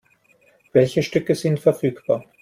Welche Stücke sind verfügbar?